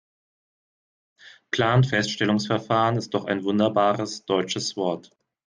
Planfeststellungsverfahren ist doch ein wunderbares deutsches Wort.